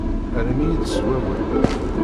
Rrem-iyi-d s wawal.